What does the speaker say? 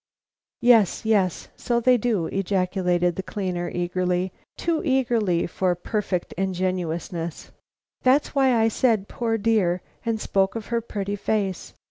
"Yes, yes, so they do!" ejaculated the cleaner, eagerly too eagerly for perfect ingenuousness. "That's why I said 'Poor dear!' and spoke of her pretty face.